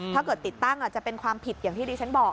ติดตั้งจะเป็นความผิดอย่างที่ดิฉันบอก